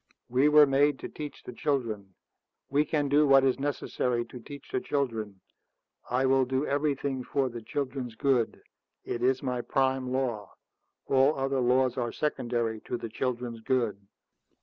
"We were made to teach the children. We can do what is necessary to teach the children. I will do everything for the children's good. It is my prime law. All other laws are secondary to the children's good."